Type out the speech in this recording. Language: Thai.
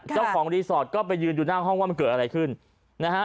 เจ้าของรีสอร์ทก็ไปยืนอยู่หน้าห้องว่ามันเกิดอะไรขึ้นนะฮะ